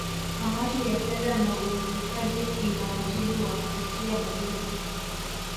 Kamati ya Fedha na Uwekezaji ina wajibu wa kupitia bajeti